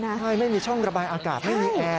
ใช่ไม่มีช่องระบายอากาศไม่มีแอร์